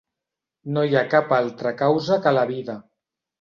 No hi ha cap altra causa que la vida.